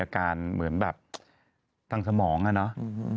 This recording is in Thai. อาการเหมือนแบบต่างสมองอ่ะเนอะอืมอ่า